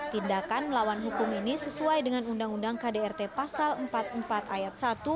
tindakan melawan hukum ini sesuai dengan undang undang kdrt pasal empat puluh empat ayat satu